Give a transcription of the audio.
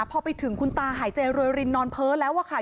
พอไปถึงคุณตาหายใจรวยรินนอนเพ้อแล้วอะค่ะ